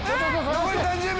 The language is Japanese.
残り３０秒。